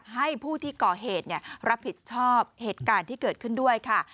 ให้ผู้ที่ก่อเหตุรับผิดชอบเหตุการณ์ที่เกิดขึ้นด้วยค่ะ